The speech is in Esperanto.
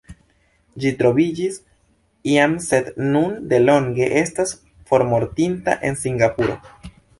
Ĝi troviĝis iam sed nun delonge estas formortinta en Singapuro.